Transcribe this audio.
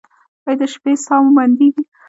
ایا د شپې ساه مو بندیږي؟